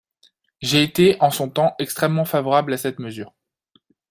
J’ai été, en son temps, extrêmement favorable à cette mesure.